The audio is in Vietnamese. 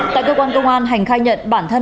tại cơ quan công an hành khai nhận bản thân